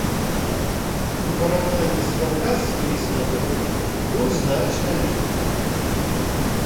У параўнанні з каўказскімі санаторыямі тут значна лепей.